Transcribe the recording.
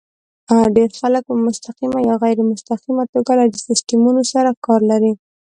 ډېر خلک په مستقیمه یا غیر مستقیمه توګه له دې سیسټمونو سره کار لري.